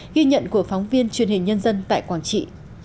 ghi nhận của phóng viên truyền hình nhân dân tại quảng trị